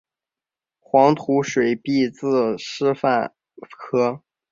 黄土水毕业自师范科